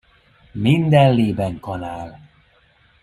Minden lében kanál.